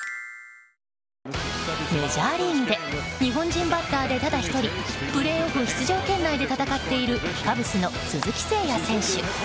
メジャーリーグで日本人バッターでただ１人プレーオフ出場圏内で戦っているカブスの鈴木誠也選手。